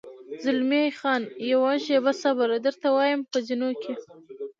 زلمی خان: یوه شېبه صبر، درته وایم، په زینو کې.